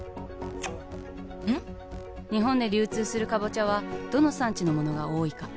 「日本で流通するかぼちゃはどの産地のものが多いか？」